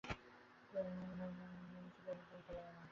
তিনি বলেন- দার্শনিক মতবাদ কখনও ধর্মীয় চিন্তার ভিত্তি হতে পারে না।